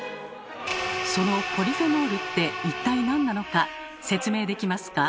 そのポリフェノールって一体何なのか説明できますか？